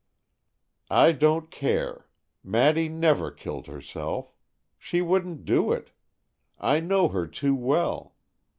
"I don't care! Maddy never killed herself. She wouldn't do it, I know her too well.